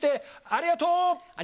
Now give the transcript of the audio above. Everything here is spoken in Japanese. ありがとう。